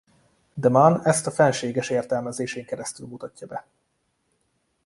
De Man ezt a fenséges értelmezésén keresztül mutatja be.